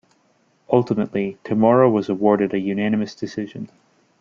Ultimately, Tamura was awarded a unanimous decision.